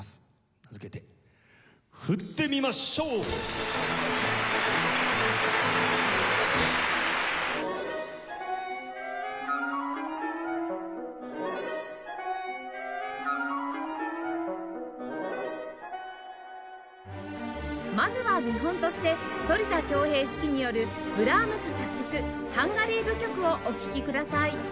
名付けてまずは見本として反田恭平指揮によるブラームス作曲『ハンガリー舞曲』をお聴きください